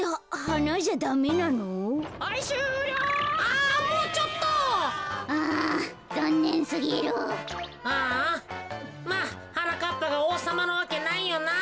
はあまあはなかっぱがおうさまのわけないよなあ。